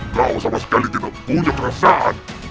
kau sama sekali tidak punya perasaan